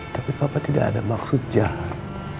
tapi papa tidak ada maksud jahat